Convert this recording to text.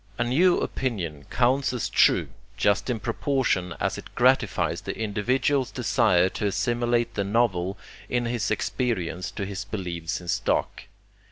A new opinion counts as 'true' just in proportion as it gratifies the individual's desire to assimilate the novel in his experience to his beliefs in stock.